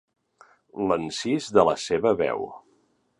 L'encís de la seva veu.